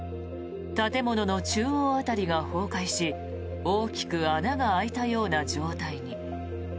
建物の中央辺りが崩壊し大きく穴が開いたような状態に。